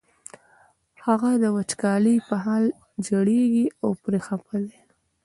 هغه د وچکالۍ په حال ژړېږي او پرې خپه دی.